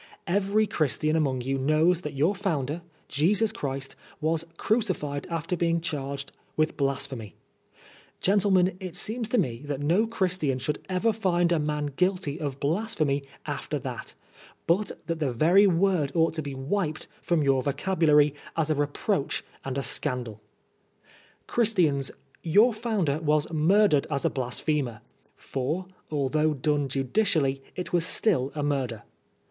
Every Christian among you knows that your founder, Jesus Christ, was crucified after being charged With blasphemy. Gentlemen, it seems to me that no Christian should ever find a man guilty of blasphemy after that, but that the very word ought to be wiped from your vocabulary, as a reproach and a scandal Christians, your founder was murdered as a blasphemer, for, although done judicially, it was still a murder.